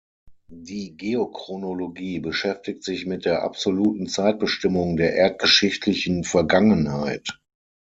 Die Geochronologie beschäftigt sich mit der absoluten Zeitbestimmung der erdgeschichtlichen Vergangenheit.